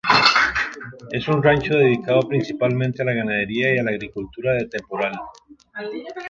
Es un rancho dedicado principalmente a la ganadería y la agricultura de temporal.